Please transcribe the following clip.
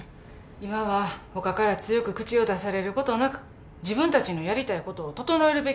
今は他から強く口を出されることなく自分たちのやりたいことを整えるべきやと思う。